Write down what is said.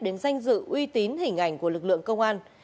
đến danh dự uy tín hình ảnh của lực lượng công an